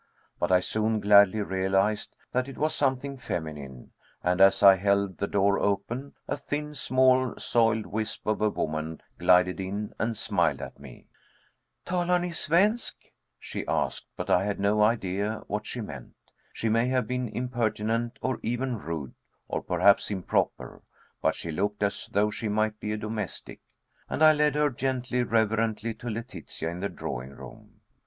But I soon gladly realized that it was something feminine, and as I held the door open, a thin, small, soiled wisp of a woman glided in and smiled at me. "Talar ni svensk?" she asked, but I had no idea what she meant. She may have been impertinent, or even rude, or perhaps improper, but she looked as though she might be a domestic, and I led her gently, reverently, to Letitia in the drawing room.